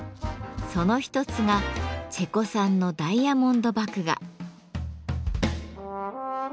その一つがチェコ産のダイヤモンド麦芽。